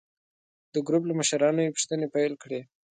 د ګروپ له مشرانو یې پوښتنې پیل کړې.